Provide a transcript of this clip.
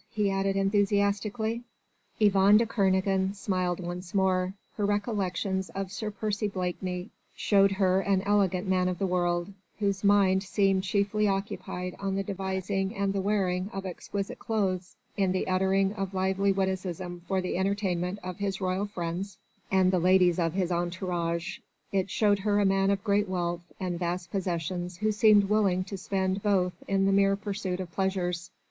he added enthusiastically. Yvonne de Kernogan smiled once more. Her recollections of Sir Percy Blakeney showed her an elegant man of the world, whose mind seemed chiefly occupied on the devising and the wearing of exquisite clothes, in the uttering of lively witticisms for the entertainment of his royal friend and the ladies of his entourage: it showed her a man of great wealth and vast possessions who seemed willing to spend both in the mere pursuit of pleasures.